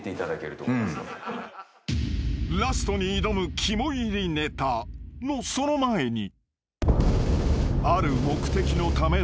［ラストに挑む肝いりネタのその前に］